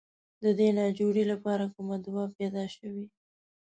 د دغې ناجوړې لپاره کومه دوا پیدا شوې.